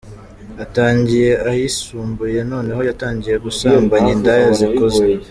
atangiye ayisumbuye noneho yatangiye gusambanya indaya zikuze.